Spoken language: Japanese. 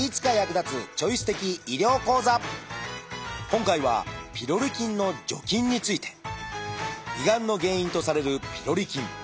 今回はピロリ菌の除菌について。胃がんの原因とされるピロリ菌。